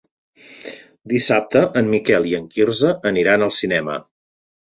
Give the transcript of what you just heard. Dissabte en Miquel i en Quirze aniran al cinema.